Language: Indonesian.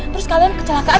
terus kalian kecelakaan